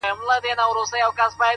دا دی د مرگ تر دوه ويشتچي دقيقې وځم-